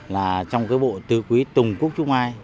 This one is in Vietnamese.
là trong cái bộ tư quý tùng cúc trúc mai